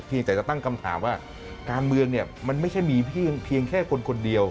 เพียงแต่จะตั้งคำถามว่าการเมืองมันไม่ใช่มีเพียงแค่คนเดียว